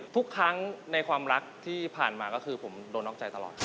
ทุกครั้งในความรักที่ผ่านมาก็คือผมโดนนอกใจตลอดครับ